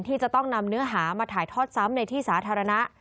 ที่จะต้องนำเนื้อหามาถ่ายทอดซ้ำในที่สาธารณะ